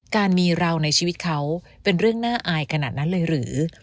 การมีเราในชีวิตเขาเป็นเรื่องน่าอายขนาดนั้นเลยหรือ